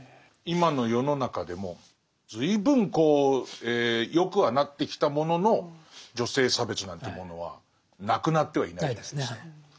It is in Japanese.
今の世の中でも随分こう良くはなってきたものの女性差別なんていうものはなくなってはいないですね。